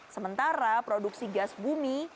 sementara produksi gas bumi